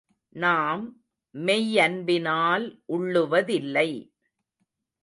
நாம் மெய்யன்பினால் உள்ளுவதில்லை.